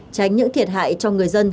tránh những thiệt hại cho người dân